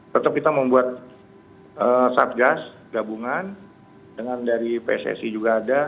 tetap kita membuat satgas gabungan dengan dari pssi juga ada